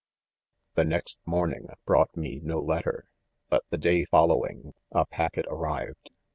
4 The next morning brought me no letter; but the day following, a packet arrived.